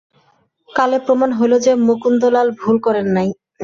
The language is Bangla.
কালে প্রমাণ হইল যে, মুকুন্দলাল ভুল করেন নাই।